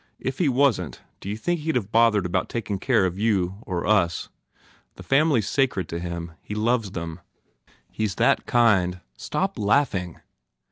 If he wasn t, d you think he d have bothered about taking care of you of us? The family s sacred to him. He loves them. He s that kind. Stop laughing!"